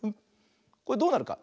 これどうなるか。